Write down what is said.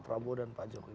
pak rabu dan pak jokowi